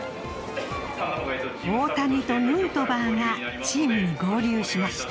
大谷とヌートバーがチームに合流しました。